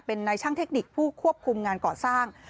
เป็นนายช่างเทคนิคผู้ควบคุมงานก่อสร้าง